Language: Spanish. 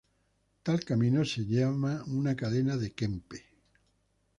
Tal camino se llama una cadena de Kempe.